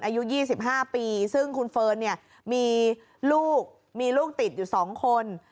อายุยี่สิบห้าปีซึ่งคุณเฟิร์นเนี่ยมีลูกมีลูกติดอยู่สองคน